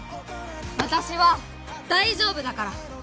私は大丈夫だから